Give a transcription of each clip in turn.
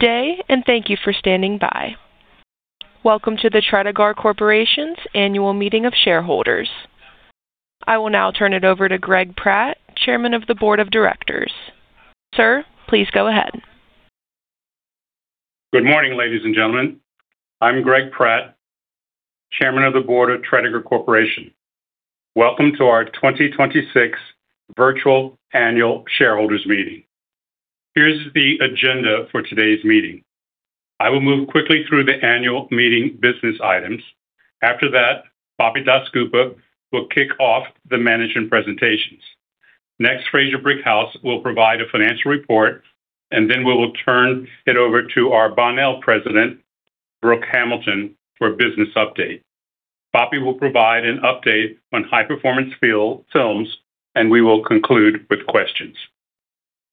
Good day. Thank you for standing by. Welcome to the Tredegar Corporation's annual meeting of shareholders. I will now turn it over to Greg Pratt, Chairman of the Board of Directors. Sir, please go ahead. Good morning, ladies and gentlemen. I'm Greg Pratt, Chairman of the Board of Tredegar Corporation. Welcome to our 2026 virtual annual shareholders meeting. Here's the agenda for today's meeting. I will move quickly through the annual meeting business items. After that, Bapi Dasgupta will kick off the management presentations. Frasier Brickhouse will provide a financial report, and then we will turn it over to our Bonnell President, Brook Hamilton, for a business update. Bapi will provide an update on High Performance Films, and we will conclude with questions.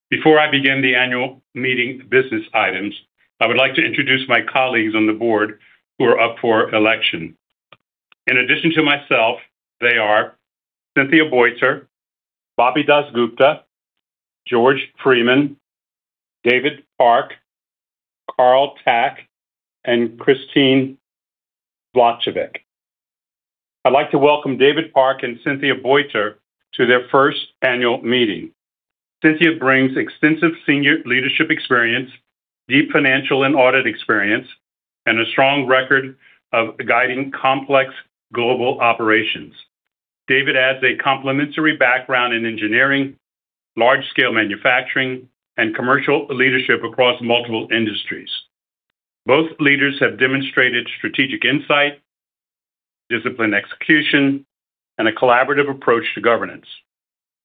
Before I begin the annual meeting business items, I would like to introduce my colleagues on the board who are up for election. In addition to myself, they are Cynthia Boiter, Bapi Dasgupta, George Freeman, David Parks, Carl Tack, and Christine Vlahcevic. I'd like to welcome David Parks and Cynthia Boiter to their first annual meeting. Cynthia brings extensive senior leadership experience, deep financial and audit experience, and a strong record of guiding complex global operations. David adds a complementary background in engineering, large-scale manufacturing, and commercial leadership across multiple industries. Both leaders have demonstrated strategic insight, disciplined execution, and a collaborative approach to governance.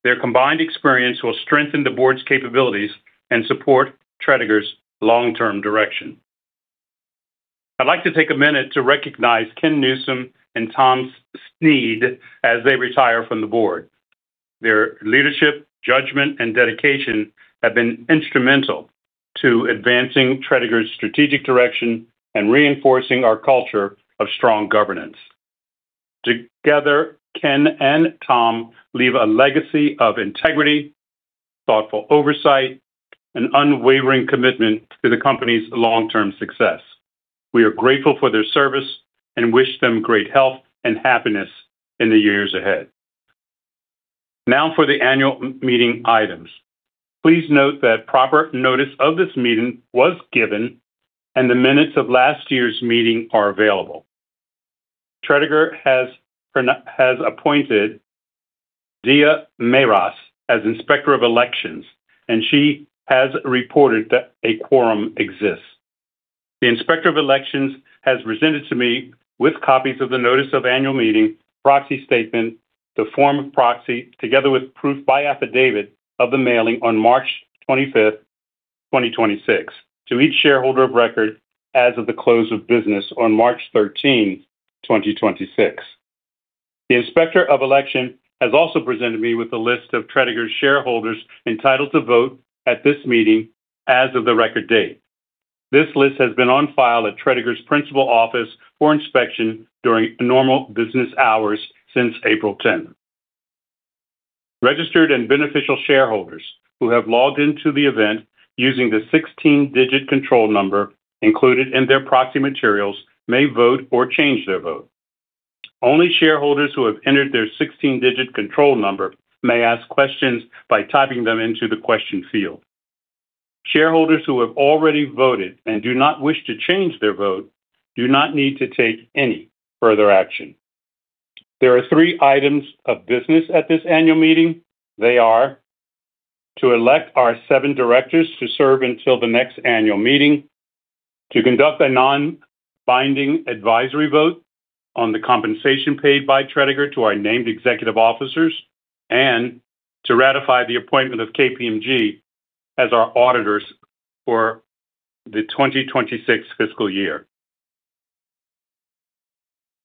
Their combined experience will strengthen the board's capabilities and support Tredegar's long-term direction. I'd like to take a minute to recognize Ken Newsome and Tom Snead as they retire from the board. Their leadership, judgment, and dedication have been instrumental to advancing Tredegar's strategic direction and reinforcing our culture of strong governance. Together, Ken and Tom leave a legacy of integrity, thoughtful oversight, and unwavering commitment to the company's long-term success. We are grateful for their service and wish them great health and happiness in the years ahead. Now for the annual meeting items. Please note that proper notice of this meeting was given, and the minutes of last year's meeting are available. Tredegar has appointed Diya as Inspector of Elections, and she has reported that a quorum exists. The Inspector of Elections has presented to me with copies of the notice of annual meeting, proxy statement, the form of proxy, together with proof by affidavit of the mailing on March 25th, 2026, to each shareholder of record as of the close of business on March 13, 2026. The Inspector of Elections has also presented me with a list of Tredegar shareholders entitled to vote at this meeting as of the record date. This list has been on file at Tredegar's principal office for inspection during normal business hours since April 10th. Registered and beneficial shareholders who have logged into the event using the 16-digit control number included in their proxy materials may vote or change their vote. Only shareholders who have entered their 16-digit control number may ask questions by typing them into the question field. Shareholders who have already voted and do not wish to change their vote do not need to take any further action. There are three items of business at this annual meeting. They are to elect our seven directors to serve until the next annual meeting, to conduct a non-binding advisory vote on the compensation paid by Tredegar to our named executive officers, and to ratify the appointment of KPMG as our auditors for the 2026 fiscal year.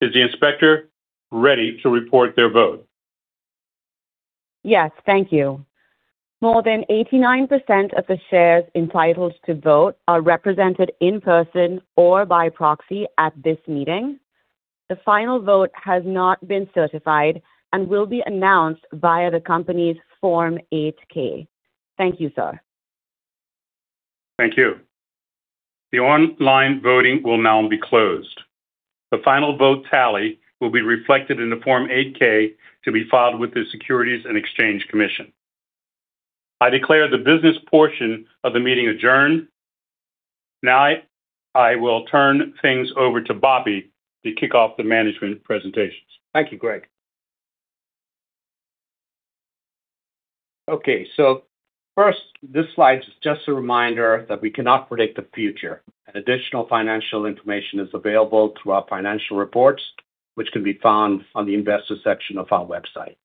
Is the inspector ready to report their vote? Yes. Thank you. More than 89% of the shares entitled to vote are represented in person or by proxy at this meeting. The final vote has not been certified and will be announced via the company's Form 8-K. Thank you, sir. Thank you. The online voting will now be closed. The final vote tally will be reflected in the Form 8-K to be filed with the Securities and Exchange Commission. I declare the business portion of the meeting adjourned. Now I will turn things over to Bapi to kick off the management presentations. Thank you, Greg. Okay, first, this slide is just a reminder that we cannot predict the future, and additional financial information is available through our financial reports, which can be found on the investor section of our website.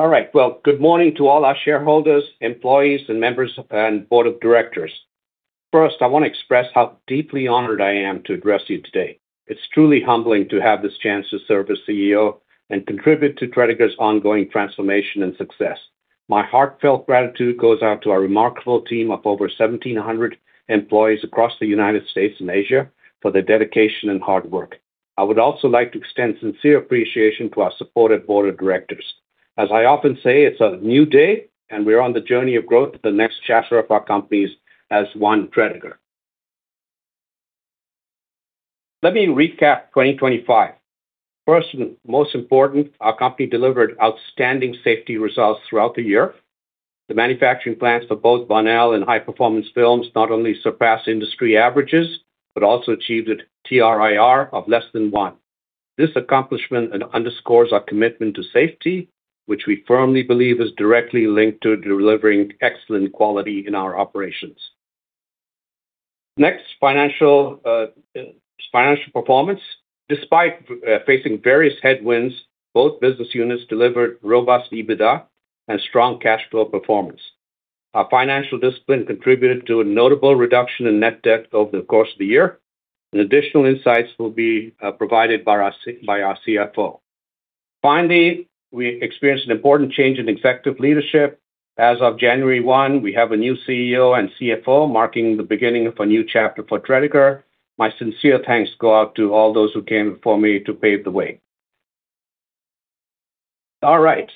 All right. Well, good morning to all our shareholders, employees, and members of, and Board of Directors. First, I want to express how deeply honored I am to address you today. It's truly humbling to have this chance to serve as CEO and contribute to Tredegar's ongoing transformation and success. My heartfelt gratitude goes out to our remarkable team of over 1,700 employees across the U.S. and Asia for their dedication and hard work. I would also like to extend sincere appreciation to our supportive Board of Directors. As I often say, it's a new day, and we're on the journey of growth to the next chapter of our companies as one Tredegar. Let me recap 2025. First and most important, our company delivered outstanding safety results throughout the year. The manufacturing plants for both Bonnell and High Performance Films not only surpassed industry averages but also achieved a TRIR of less than one. This accomplishment underscores our commitment to safety, which we firmly believe is directly linked to delivering excellent quality in our operations. Next, financial performance. Despite facing various headwinds, both business units delivered robust EBITDA and strong cash flow performance. Our financial discipline contributed to a notable reduction in net debt over the course of the year, and additional insights will be provided by our CFO. Finally, we experienced an important change in executive leadership. As of January 1, we have a new CEO and CFO, marking the beginning of a new chapter for Tredegar. My sincere thanks go out to all those who came before me to pave the way. All right.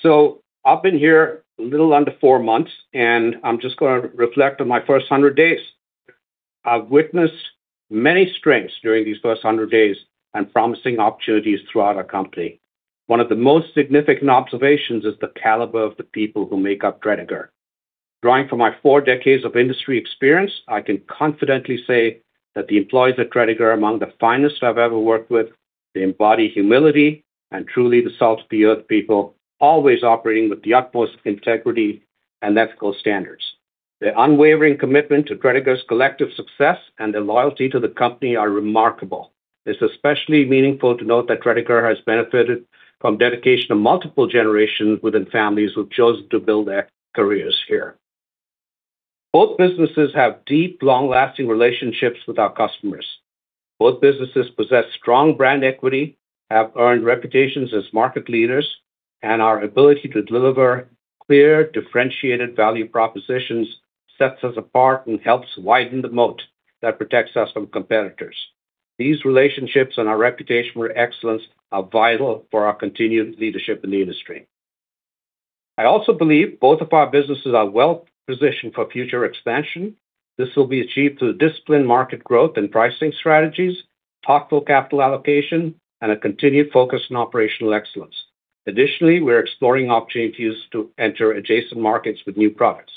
I've been here a little under four months, and I'm just gonna reflect on my first 100 days. I've witnessed many strengths during these first 100 days and promising opportunities throughout our company. One of the most significant observations is the caliber of the people who make up Tredegar. Drawing from my four decades of industry experience, I can confidently say that the employees at Tredegar are among the finest I've ever worked with. They embody humility and truly the salt of the earth people, always operating with the utmost integrity and ethical standards. Their unwavering commitment to Tredegar's collective success and their loyalty to the company are remarkable. It's especially meaningful to note that Tredegar has benefited from dedication of multiple generations within families who've chosen to build their careers here. Both businesses have deep, long-lasting relationships with our customers. Both businesses possess strong brand equity, have earned reputations as market leaders, and our ability to deliver clear, differentiated value propositions sets us apart and helps widen the moat that protects us from competitors. These relationships and our reputation for excellence are vital for our continued leadership in the industry. I also believe both of our businesses are well-positioned for future expansion. This will be achieved through disciplined market growth and pricing strategies, thoughtful capital allocation, and a continued focus on operational excellence. Additionally, we're exploring opportunities to enter adjacent markets with new products.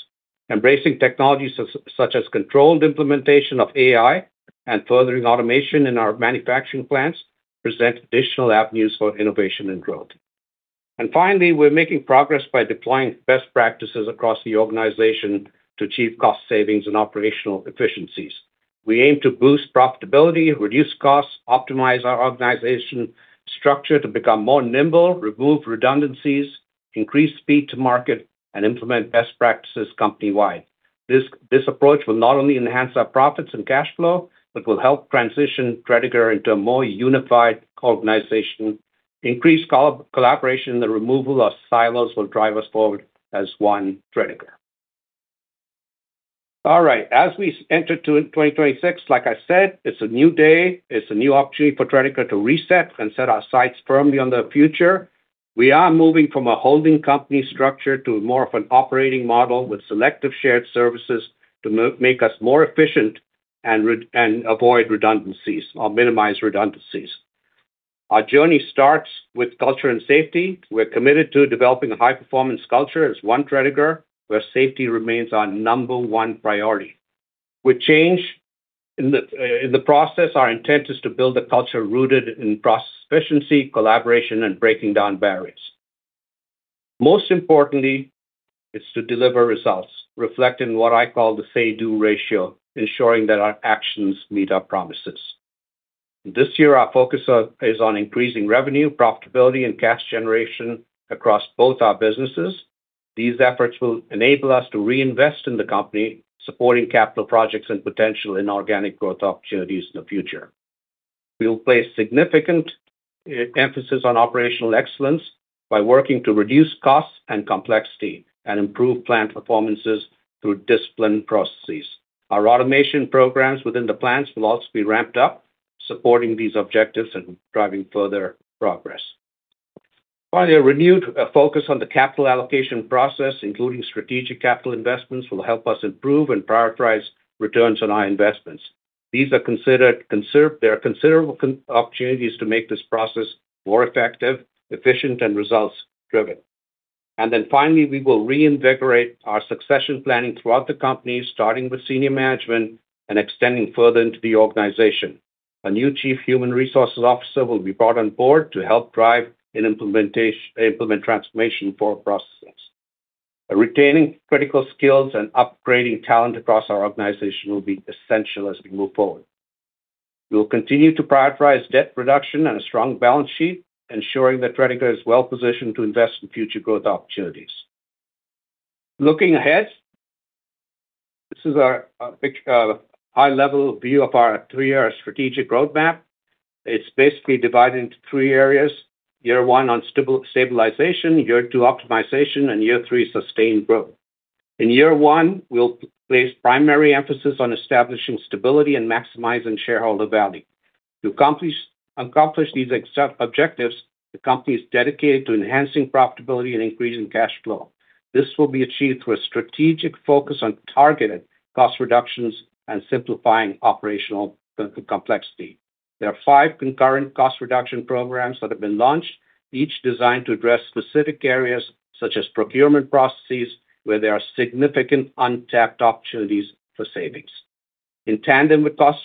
Embracing technologies such as controlled implementation of AI and furthering automation in our manufacturing plants present additional avenues for innovation and growth. Finally, we're making progress by deploying best practices across the organization to achieve cost savings and operational efficiencies. We aim to boost profitability, reduce costs, optimize our organization structure to become more nimble, remove redundancies, increase speed to market, and implement best practices company-wide. This approach will not only enhance our profits and cash flow but will help transition Tredegar into a more unified organization. Increased collaboration, the removal of silos will drive us forward as one Tredegar. All right. As we enter 2026, like I said, it's a new day. It's a new opportunity for Tredegar to reset and set our sights firmly on the future. We are moving from a holding company structure to more of an operating model with selective shared services to make us more efficient and avoid redundancies or minimize redundancies. Our journey starts with culture and safety. We're committed to developing a high-performance culture as one Tredegar, where safety remains our number one priority. With change in the process, our intent is to build a culture rooted in process efficiency, collaboration, and breaking down barriers. Most importantly is to deliver results, reflecting what I call the say/do ratio, ensuring that our actions meet our promises. This year, our focus is on increasing revenue, profitability, and cash generation across both our businesses. These efforts will enable us to reinvest in the company, supporting capital projects and potential inorganic growth opportunities in the future. We will place significant emphasis on operational excellence by working to reduce costs and complexity and improve plant performances through disciplined processes. Our automation programs within the plants will also be ramped up, supporting these objectives and driving further progress. Finally, a renewed focus on the capital allocation process, including strategic capital investments, will help us improve and prioritize returns on our investments. There are considerable opportunities to make this process more effective, efficient, and results-driven. Finally, we will reinvigorate our succession planning throughout the company, starting with senior management and extending further into the organization. A new chief human resources officer will be brought on board to help drive and implement transformation for our processes. Retaining critical skills and upgrading talent across our organization will be essential as we move forward. We will continue to prioritize debt reduction and a strong balance sheet, ensuring that Tredegar is well-positioned to invest in future growth opportunities. Looking ahead. This is our high-level view of our three-year strategic roadmap. It's basically divided into three areas: year one on stabilization, year two optimization, and year three sustained growth. In year one, we'll place primary emphasis on establishing stability and maximizing shareholder value. To accomplish these objectives, the company is dedicated to enhancing profitability and increasing cash flow. This will be achieved through a strategic focus on targeted cost reductions and simplifying operational complexity. There are five concurrent cost reduction programs that have been launched, each designed to address specific areas such as procurement processes, where there are significant untapped opportunities for savings. In tandem with cost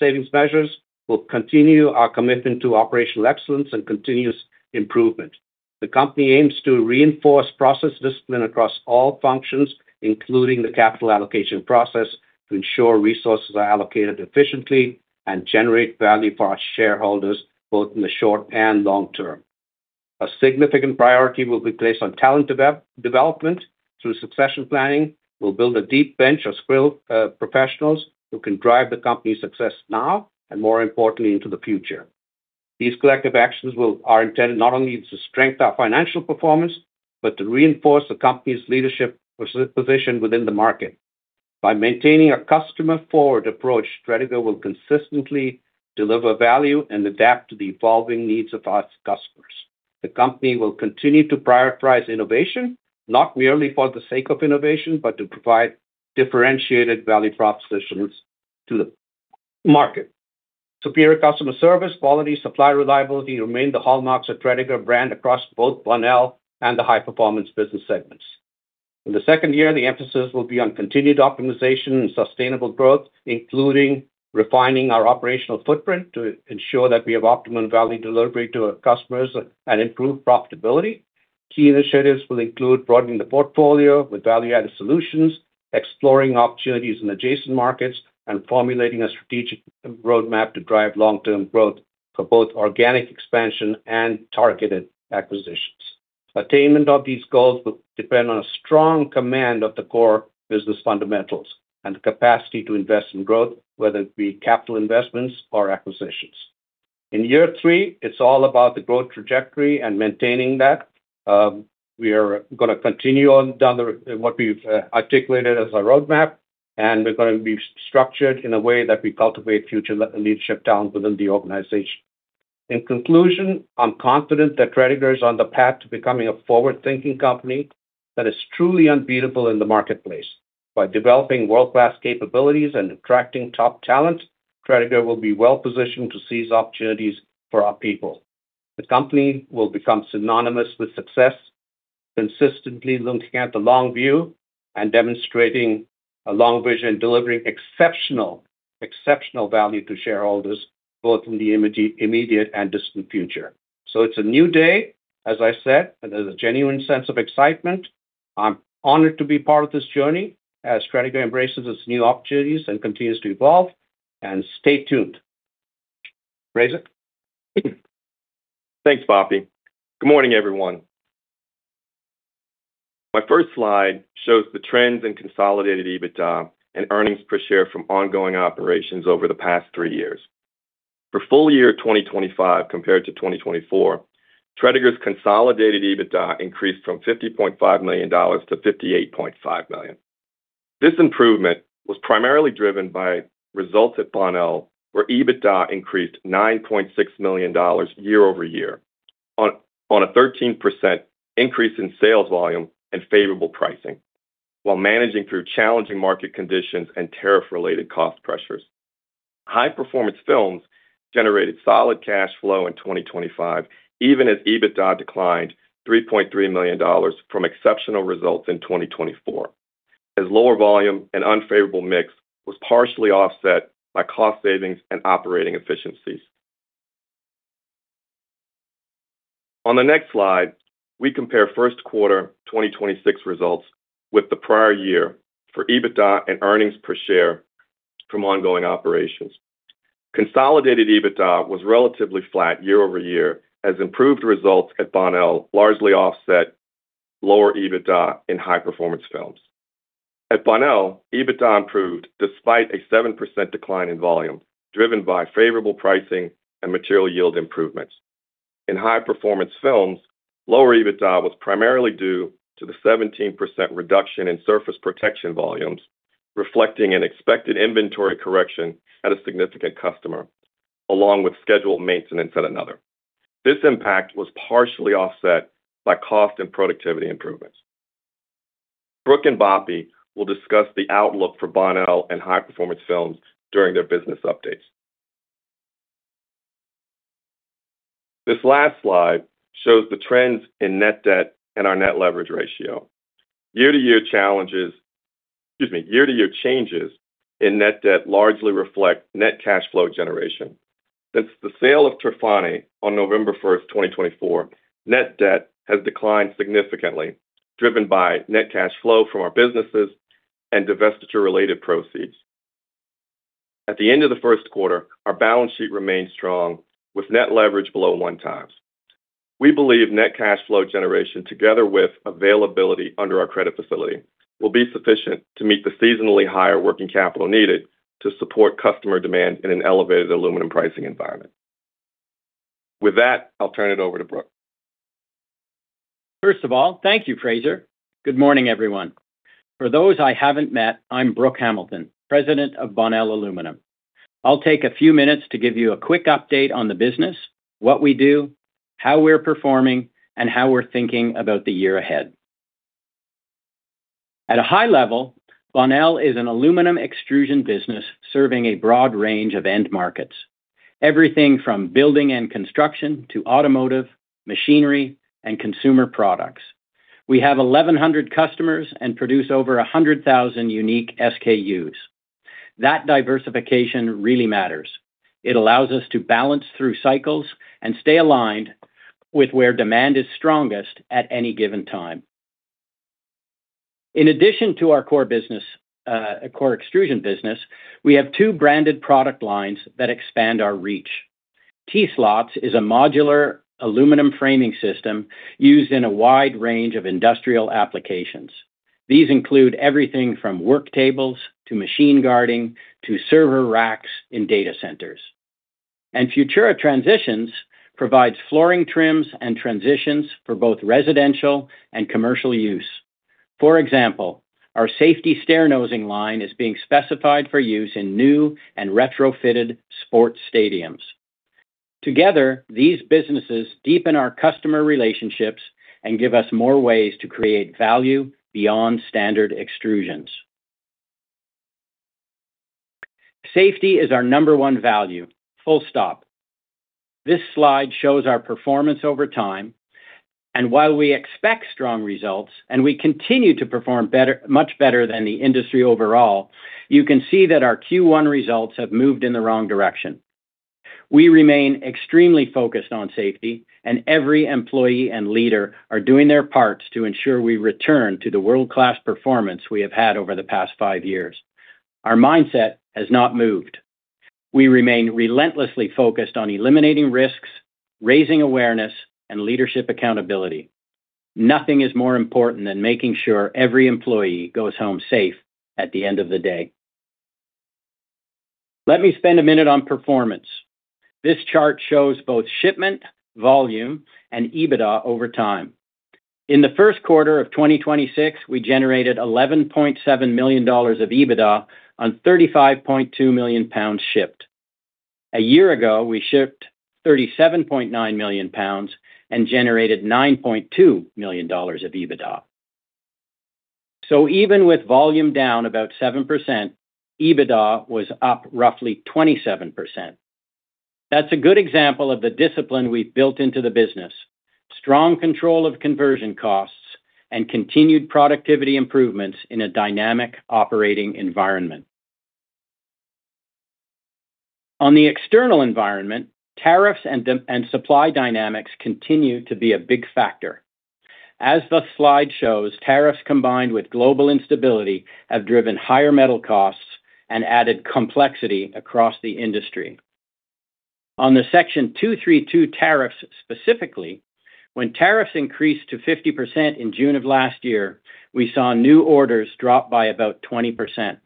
savings measures, we'll continue our commitment to operational excellence and continuous improvement. The company aims to reinforce process discipline across all functions, including the capital allocation process, to ensure resources are allocated efficiently and generate value for our shareholders, both in the short and long term. A significant priority will be placed on talent development through succession planning. We'll build a deep bench of skilled professionals who can drive the company's success now and, more importantly, into the future. These collective actions are intended not only to strengthen our financial performance, but to reinforce the company's leadership position within the market. By maintaining a customer-forward approach, Tredegar will consistently deliver value and adapt to the evolving needs of our customers. The company will continue to prioritize innovation, not merely for the sake of innovation, but to provide differentiated value propositions to the market. Superior customer service, quality, supply reliability remain the hallmarks of Tredegar brand across both Bonnell and the High Performance business segments. In the second year, the emphasis will be on continued optimization and sustainable growth, including refining our operational footprint to ensure that we have optimum value delivery to our customers and improve profitability. Key initiatives will include broadening the portfolio with value-added solutions, exploring opportunities in adjacent markets, and formulating a strategic roadmap to drive long-term growth for both organic expansion and targeted acquisitions. Attainment of these goals will depend on a strong command of the core business fundamentals and the capacity to invest in growth, whether it be capital investments or acquisitions. In year three, it's all about the growth trajectory and maintaining that. We are gonna continue on down the what we've articulated as our roadmap, and we're gonna be structured in a way that we cultivate future leadership talent within the organization. In conclusion, I'm confident that Tredegar is on the path to becoming a forward-thinking company that is truly unbeatable in the marketplace. By developing world-class capabilities and attracting top talent, Tredegar will be well-positioned to seize opportunities for our people. The company will become synonymous with success, consistently looking at the long view and demonstrating a long vision, delivering exceptional value to shareholders both in the immediate and distant future. It's a new day, as I said, and there's a genuine sense of excitement. I'm honored to be part of this journey as Tredegar embraces its new opportunities and continues to evolve. Stay tuned. Frasier? Thanks, Bapi. Good morning, everyone. My first slide shows the trends in consolidated EBITDA and earnings per share from ongoing operations over the past three years. For full year 2025 compared to 2024, Tredegar's consolidated EBITDA increased from $50.5 million to $58.5 million. This improvement was primarily driven by results at Bonnell, where EBITDA increased $9.6 million year-over-year on a 13% increase in sales volume and favorable pricing while managing through challenging market conditions and tariff-related cost pressures. High Performance Films generated solid cash flow in 2025, even as EBITDA declined $3.3 million from exceptional results in 2024, as lower volume and unfavorable mix was partially offset by cost savings and operating efficiencies. On the next slide, we compare first-quarter 2026 results with the prior year for EBITDA and earnings per share from ongoing operations. Consolidated EBITDA was relatively flat year-over-year as improved results at Bonnell largely offset lower EBITDA in High Performance Films. At Bonnell, EBITDA improved despite a 7% decline in volume, driven by favorable pricing and material yield improvements. In High Performance Films, lower EBITDA was primarily due to the 17% reduction in Surface Protection volumes, reflecting an expected inventory correction at a significant customer, along with scheduled maintenance at another. This impact was partially offset by cost and productivity improvements. Brook and Bapi will discuss the outlook for Bonnell and High Performance Films during their business updates. This last slide shows the trends in net debt and our net leverage ratio. Year-to-year challenges, excuse me, year-to-year changes in net debt largely reflect net cash flow generation. Since the sale of Terphane on November 1, 2024, net debt has declined significantly, driven by net cash flow from our businesses and divestiture-related proceeds. At the end of the first quarter, our balance sheet remained strong with net leverage below 1x. We believe net cash flow generation, together with availability under our credit facility, will be sufficient to meet the seasonally higher working capital needed to support customer demand in an elevated aluminum pricing environment. With that, I'll turn it over to Brook. First of all, thank you, Frasier. Good morning, everyone. For those I haven't met, I'm Brook Hamilton, President of Bonnell Aluminum. I'll take a few minutes to give you a quick update on the business, what we do, how we're performing, and how we're thinking about the year ahead. At a high level, Bonnell is an aluminum extrusion business serving a broad range of end markets, everything from building and construction to automotive, machinery, and consumer products. We have 1,100 customers and produce over 100,000 unique SKUs. That diversification really matters. It allows us to balance through cycles and stay aligned with where demand is strongest at any given time. In addition to our core business, core extrusion business, we have two branded product lines that expand our reach. TSLOTS is a modular aluminum framing system used in a wide range of industrial applications. These include everything from work tables to machine guarding to server racks in data centers. Futura Transitions provides flooring trims and transitions for both residential and commercial use. For example, our safety stair-nosing line is being specified for use in new and retrofitted sports stadiums. Together, these businesses deepen our customer relationships and give us more ways to create value beyond standard extrusions. Safety is our number one value, full stop. This slide shows our performance over time, and while we expect strong results, and we continue to perform much better than the industry overall; you can see that our Q1 results have moved in the wrong direction. We remain extremely focused on safety, and every employee and leader are doing their parts to ensure we return to the world-class performance we have had over the past five years. Our mindset has not moved. We remain relentlessly focused on eliminating risks, raising awareness, and leadership accountability. Nothing is more important than making sure every employee goes home safe at the end of the day. Let me spend a minute on performance. This chart shows both shipment, volume and EBITDA over time. In the first quarter of 2026, we generated $11.7 million of EBITDA on 35.2 million pounds shipped. A year ago, we shipped 37.9 million pounds and generated $9.2 million of EBITDA. Even with volume down about 7%, EBITDA was up roughly 27%. That's a good example of the discipline we've built into the business, strong control of conversion costs, and continued productivity improvements in a dynamic operating environment. On the external environment, tariffs and supply dynamics continue to be a big factor. As the slide shows, tariffs combined with global instability have driven higher metal costs and added complexity across the industry. On the Section 232 tariffs specifically, when tariffs increased to 50% in June of last year, we saw new orders drop by about 20%.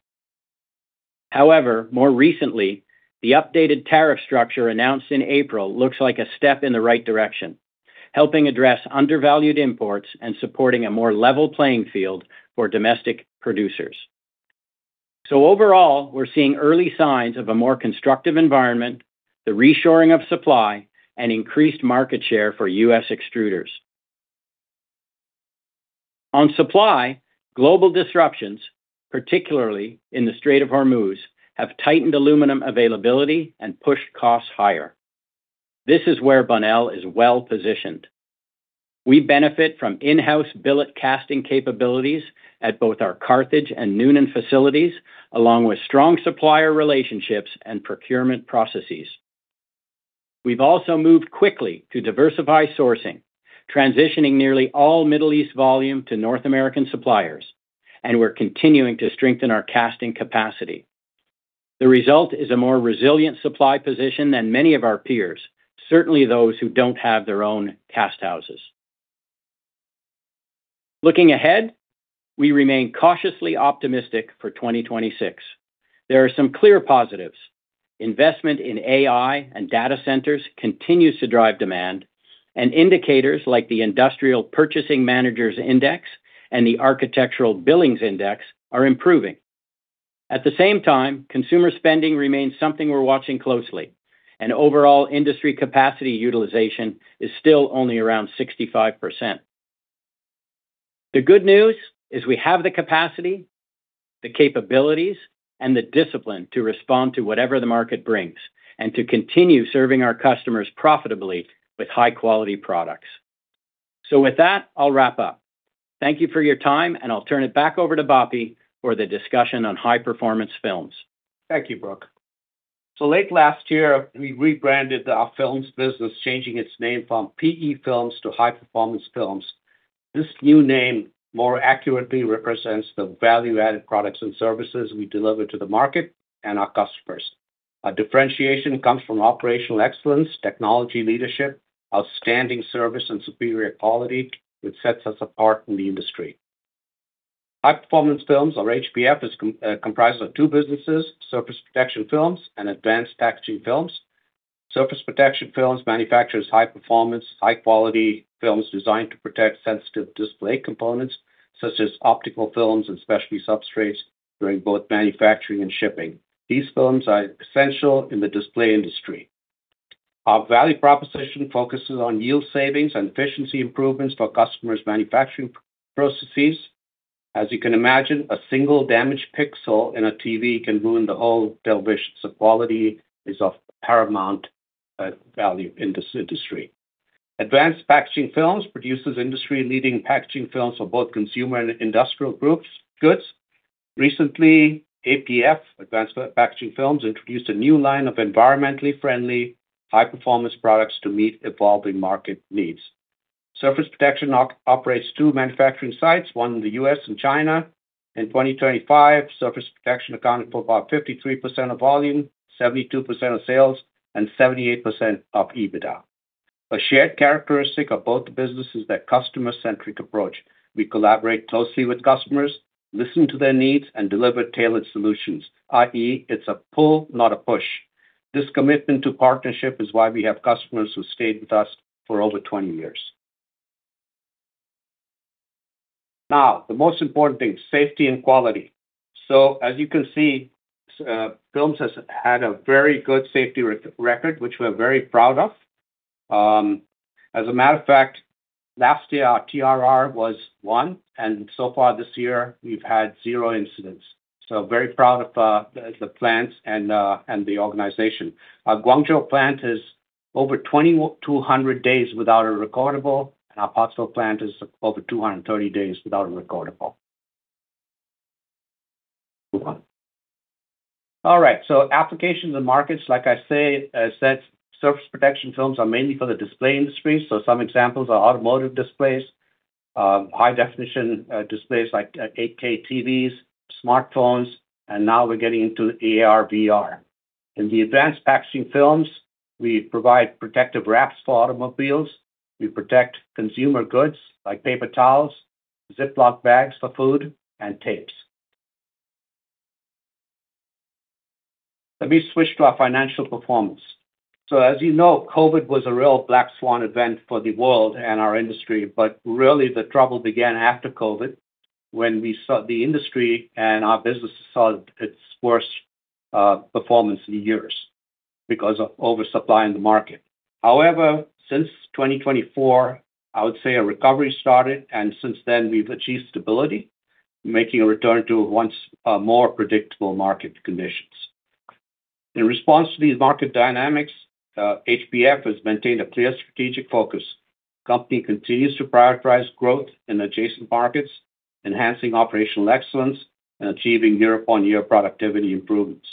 More recently, the updated tariff structure announced in April looks like a step in the right direction, helping address undervalued imports and supporting a more level playing field for domestic producers. Overall, we're seeing early signs of a more constructive environment, the reshoring of supply, and increased market share for U.S. extruders. On supply, global disruptions, particularly in the Strait of Hormuz, have tightened aluminum availability and pushed costs higher. This is where Bonnell is well-positioned. We benefit from in-house billet casting capabilities at both our Carthage and Newnan facilities, along with strong supplier relationships and procurement processes. We've also moved quickly to diversify sourcing, transitioning nearly all Middle East volume to North American suppliers, and we're continuing to strengthen our casting capacity. The result is a more resilient supply position than many of our peers, certainly those who don't have their own cast houses. Looking ahead, we remain cautiously optimistic for 2026. There are some clear positives. Investment in AI and data centers continues to drive demand, and indicators like the industrial Purchasing Managers' Index and the Architecture Billings Index are improving. At the same time, consumer spending remains something we're watching closely, and overall industry capacity utilization is still only around 65%. The good news is we have the capacity, the capabilities, and the discipline to respond to whatever the market brings and to continue serving our customers profitably with high-quality products. With that, I'll wrap up. Thank you for your time, and I'll turn it back over to Bapi for the discussion on High Performance Films. Thank you, Brook. Late last year, we rebranded our films business, changing its name from PE Films to High Performance Films. This new name more accurately represents the value-added products and services we deliver to the market and our customers. Our differentiation comes from operational excellence, technology leadership, outstanding service and superior quality, which sets us apart in the industry. High Performance Films, or HPF, is comprised of two businesses: Surface Protection Films and Advanced Packaging Films. Surface Protection Films manufactures high-performance, high-quality films designed to protect sensitive display components such as optical films and specialty substrates during both manufacturing and shipping. These films are essential in the display industry. Our value proposition focuses on yield savings and efficiency improvements for customers' manufacturing processes. As you can imagine, a single damaged pixel in a TV can ruin the whole television, so quality is of paramount value in this industry. Advanced Packaging Films produces industry-leading packaging films for both consumer and industrial goods. Recently, APF, Advanced Packaging Films, introduced a new line of environmentally friendly high-performance products to meet evolving market needs. Surface Protection operates two manufacturing sites, one in the U.S. and China. In 2025, Surface Protection accounted for about 53% of volume, 72% of sales, and 78% of EBITDA. A shared characteristic of both businesses is their customer-centric approach. We collaborate closely with customers, listen to their needs, and deliver tailored solutions, i.e., it's a pull, not a push. This commitment to partnership is why we have customers who stayed with us for over 20 years. Now, the most important thing, safety and quality. As you can see, Films has had a very good safety record, which we're very proud of. As a matter of fact, last year our TRIR was 1, and so far this year, we've had zero incidents. Very proud of the plants and the organization. Our Guangzhou plant has over 2,200 days without a recordable, and our Pottsville plant is over 230 days without a recordable. Move on. All right. Applications and markets, like I say, as said, Surface Protection Films are mainly for the display industry, some examples are automotive displays, high definition displays like 8K TVs, smartphones, and now we're getting into AR/VR. In the Advanced Packaging Films, we provide protective wraps for automobiles. We protect consumer goods like paper towels, Ziploc bags for food, and tapes. Let me switch to our financial performance. As you know, COVID was a real black swan event for the world and our industry, but really, the trouble began after COVID when we saw the industry and our business saw its worst performance in years because of oversupply in the market. However, since 2024, I would say a recovery started, and since then, we've achieved stability, making a return to once more predictable market conditions. In response to these market dynamics, HPF has maintained a clear strategic focus. Company continues to prioritize growth in adjacent markets, enhancing operational excellence and achieving year upon year productivity improvements.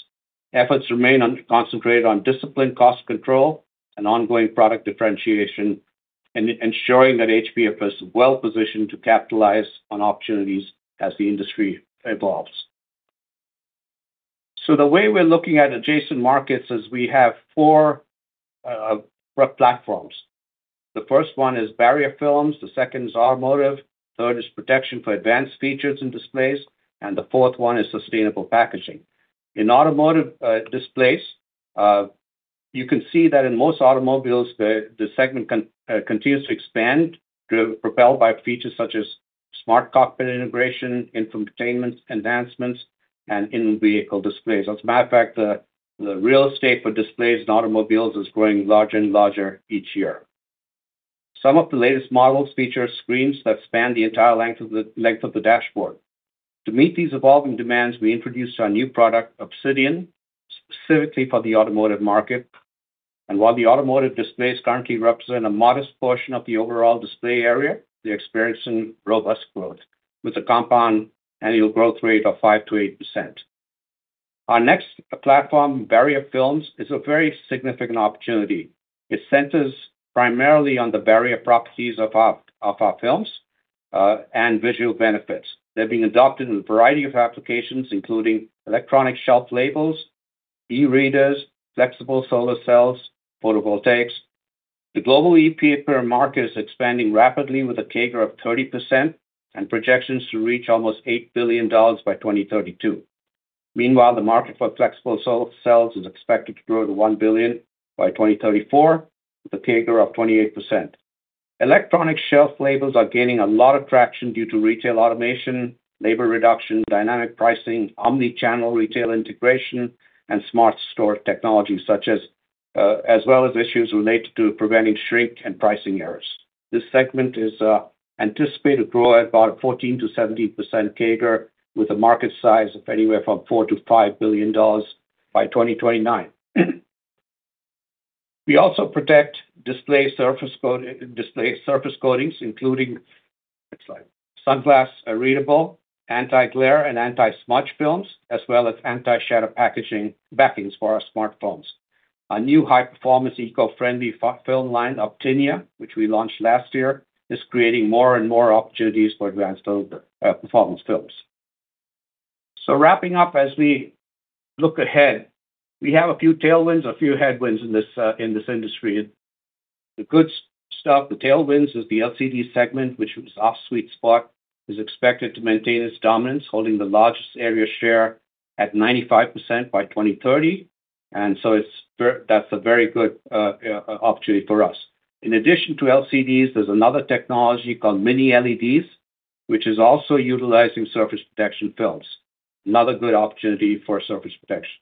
Efforts remain concentrated on disciplined cost control and ongoing product differentiation, and ensuring that HPF is well-positioned to capitalize on opportunities as the industry evolves. The way we're looking at adjacent markets is we have four platforms. The first one is barrier films, the second is automotive, third is protection for advanced features and displays, and the fourth one is sustainable packaging. In automotive displays, you can see that in most automobiles, the segment continues to expand, propelled by features such as smart cockpit integration, infotainment advancements, and in-vehicle displays. As a matter of fact, the real estate for displays in automobiles is growing larger and larger each year. Some of the latest models feature screens that span the entire length of the dashboard. To meet these evolving demands, we introduced our new product, Obsidian, specifically for the automotive market. While the automotive displays currently represent a modest portion of the overall display area, they're experiencing robust growth with a compound annual growth rate of 5%-8%. Our next platform, Barrier Films, is a very significant opportunity. It centers primarily on the barrier properties of our films and visual benefits. They're being adopted in a variety of applications, including electronic shelf labels, e-readers, flexible solar cells, photovoltaics. The global e-paper market is expanding rapidly with a CAGR of 30% and projections to reach almost $8 billion by 2032. Meanwhile, the market for flexible solar cells is expected to grow to $1 billion by 2034 with a CAGR of 28%. Electronic shelf labels are gaining a lot of traction due to retail automation, labor reduction, dynamic pricing, omni-channel retail integration, and smart store technology, as well as issues related to preventing shrink and pricing errors. This segment is anticipated to grow at about 14%-17% CAGR with a market size of anywhere from $4 billion-$5 billion by 2029. We also protect display surface coatings, including... Next slide. Sunglass readable, anti-glare, and anti-smudge films, as well as anti-shatter packaging backings for our smartphones. Our new high-performance, eco-friendly film line, Optennia, which we launched last year, is creating more and more opportunities for advanced performance films. Wrapping up, as we look ahead, we have a few tailwinds, a few headwinds in this industry. The good stuff, the tailwinds is the LCD segment, which was our sweet spot, is expected to maintain its dominance, holding the largest area share at 95% by 2030. That's a very good opportunity for us. In addition to LCDs, there's another technology called Mini-LEDs, which is also utilizing Surface Protection Films. Another good opportunity for Surface Protection.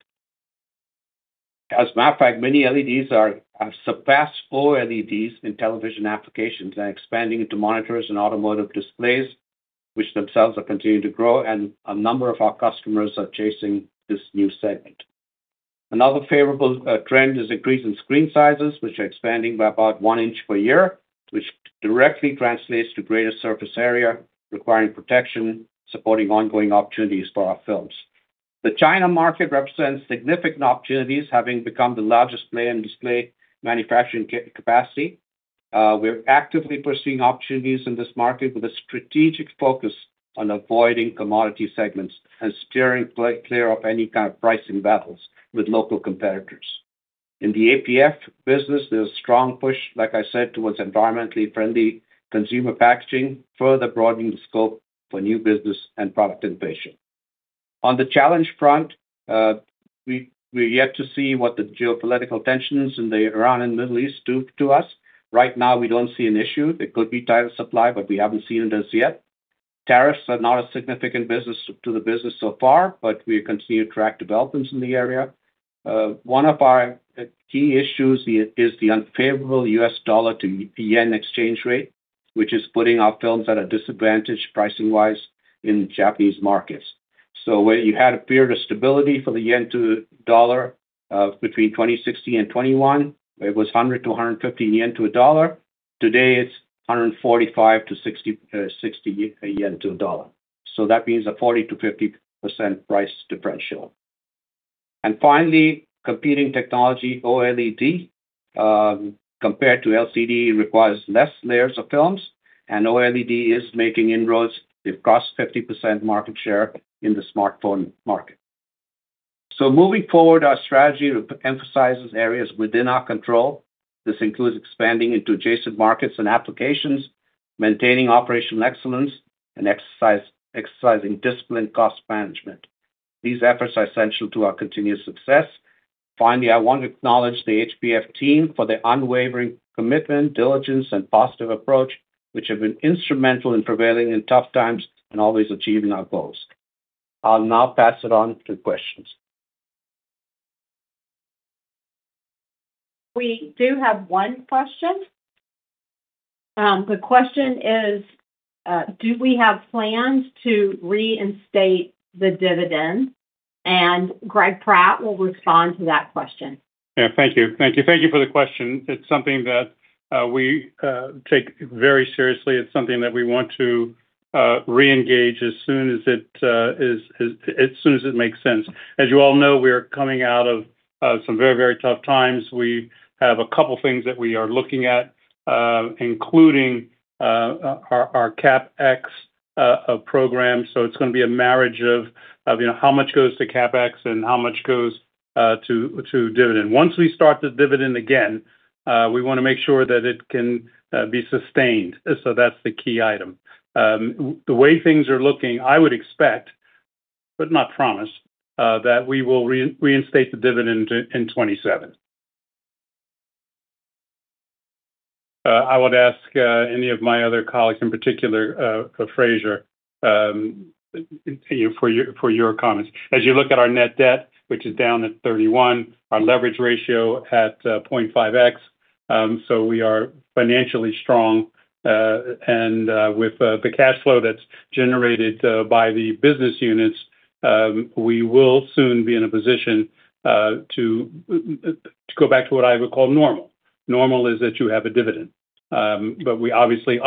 As a matter of fact, Mini-LEDs have surpassed OLEDs in television applications and expanding into monitors and automotive displays, which themselves are continuing to grow, and a number of our customers are chasing this new segment. Another favorable trend is increase in screen sizes, which are expanding by about 1 in per year, which directly translates to greater surface area requiring protection, supporting ongoing opportunities for our films. The China market represents significant opportunities, having become the largest player in display manufacturing capacity. We're actively pursuing opportunities in this market with a strategic focus on avoiding commodity segments and steering clear of any kind of pricing battles with local competitors. In the APF business, there's strong push, like I said, towards environmentally friendly consumer packaging, further broadening the scope for new business and product innovation. On the challenge front, we're yet to see what the geopolitical tensions in the Iran and Middle East do to us. Right now, we don't see an issue. There could be tighter supply, but we haven't seen it as yet. Tariffs are not a significant business to the business so far, but we continue to track developments in the area. One of our key issues is the unfavorable U.S. dollar to JPY exchange rate, which is putting our films at a disadvantage pricing-wise in the Japanese markets. Where you had a period of stability for the yen to dollar of between 2060 and 21, it was 100-150 yen to dollar. Today, it's 145 to 60 yen to a dollar. That means a 40%-50% price differential. Finally, competing technology, OLED, compared to LCD, requires less layers of films, and OLED is making inroads. They've crossed 50% market share in the smartphone market. Moving forward, our strategy emphasizes areas within our control. This includes expanding into adjacent markets and applications, maintaining operational excellence, and exercising disciplined cost management. These efforts are essential to our continued success. Finally, I want to acknowledge the HPF team for their unwavering commitment, diligence, and positive approach, which have been instrumental in prevailing in tough times and always achieving our goals. I'll now pass it on to questions. We do have one question. The question is, do we have plans to reinstate the dividend? Greg Pratt will respond to that question. Yeah. Thank you. Thank you. Thank you for the question. It's something that we take very seriously. It's something that we want to re-engage as soon as it makes sense. As you all know, we are coming out of some very, very tough times. We have a couple things that we are looking at, including our CapEx program. It's gonna be a marriage of, you know, how much goes to CapEx and how much goes to dividend. Once we start the dividend again, we wanna make sure that it can be sustained. That's the key item. The way things are looking, I would expect, but not promise, that we will reinstate the dividend in 2027. I would ask any of my other colleagues, in particular, Frasier, for your comments. As you look at our net debt, which is down at $31, our leverage ratio at 0.5x, we are financially strong. With the cash flow that's generated by the business units, we will soon be in a position to go back to what I would call normal. Normal is that you have a dividend. We obviously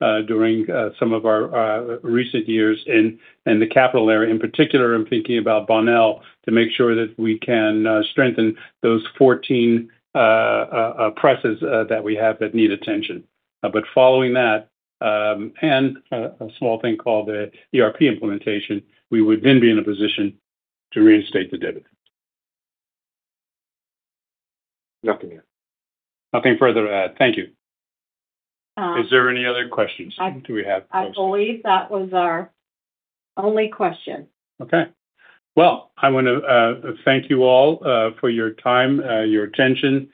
underspent during some of our recent years in the capital area. In particular, I'm thinking about Bonnell to make sure that we can strengthen those 14 presses that we have that need attention. Following that, and a small thing called the ERP implementation, we would then be in a position to reinstate the dividend. Nothing yet. Nothing further to add. Thank you. Is there any other questions do we have? I believe that was our only question. Okay. Well, I wanna thank you all for your time, your attention.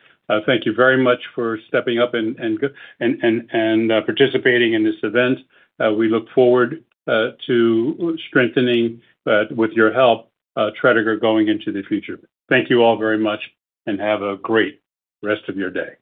Thank you very much for stepping up and participating in this event. We look forward to strengthening with your help, Tredegar, going into the future. Thank you all very much. Have a great rest of your day.